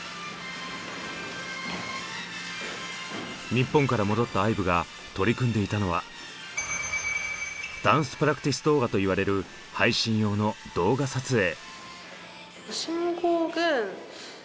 日本から戻ったＩＶＥが取り組んでいたのはダンスプラクティス動画と言われる配信用の動画撮影。